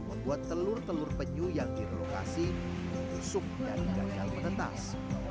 membuat telur telur penyu yang direlokasi rusuk dan tidak jauh menetas